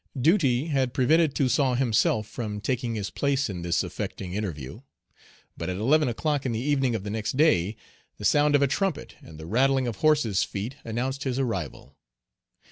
Duty had prevented Toussaint himself from taking his place in this affecting interview. But, at eleven o'clock in the evening of the next day, the sound of a trumpet and the rattling of horses' feet announced his arrival.